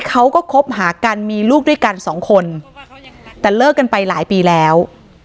เขาก็คบหากันมีลูกด้วยกันสองคนแต่เลิกกันไปหลายปีแล้ว